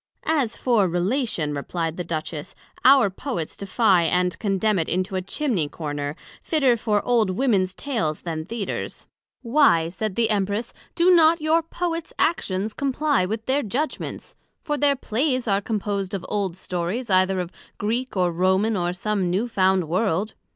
As for Relation, replied the Duchess, our Poets defie and condemn it into a Chimney corner, fitter for old Womens Tales, than Theatres. Why, said the Empress do not your Poets Actions comply with their Judgments? For their Plays are composed of old Stories, either of Greek or Roman, or some new found World.